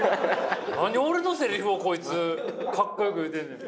何俺のセリフをコイツ格好よく言うてんねん。